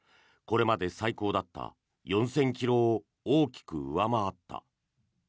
これまで最高だった４０００ｋｍを大きく上回った。